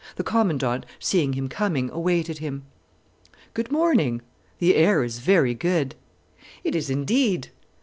The Commandant, seeing him coming, awaited him. "Good morning. The air is very good." "It is, indeed."